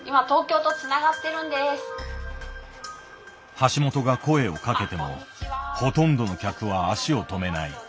橋本が声をかけてもほとんどの客は足を止めない。